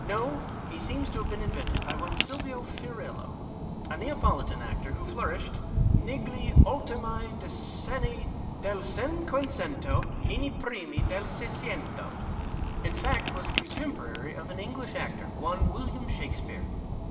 No, he seems to have been invented by one Silvio Fiorillo, a Neapolitan actor who flourished " negli ultimi dceenni del Cincjuecento e nci primi del Sciccnto ''— in fact, was a contemporary of an English actor, one \Villiam Shakespeare.